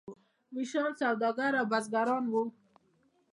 ویشیان سوداګر او بزګران وو.